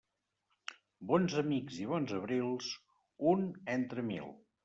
Bons amics i bons abrils, un entre mil.